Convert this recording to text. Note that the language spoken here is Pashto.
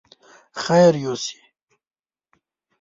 خير يوسې!